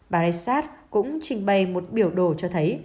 bà resat cũng trình bày một biểu đồ cho thấy